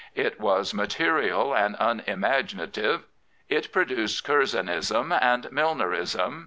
It was material and unimagina tive. It produced Curzonism and Milnerism.